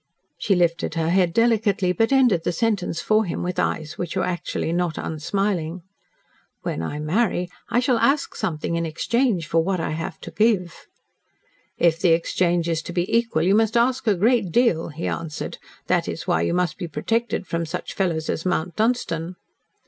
She lifted her head delicately, but ended the sentence for him with eyes which were actually not unsmiling. "When I marry, I shall ask something in exchange for what I have to give." "If the exchange is to be equal, you must ask a great deal," he answered. "That is why you must be protected from such fellows as Mount Dunstan."